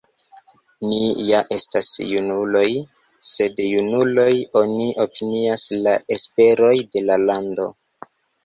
Ni ja estas junuloj, sed junulojn oni opinias la esperoj de la lando!